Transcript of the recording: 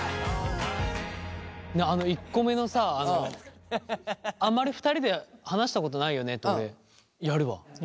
あの１個目のさあまり２人で話したことないよねって俺やるわ。